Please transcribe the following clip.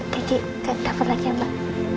gigi kita dapat lagi ya mbak